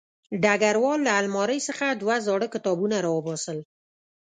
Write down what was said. ډګروال له المارۍ څخه دوه زاړه کتابونه راوباسل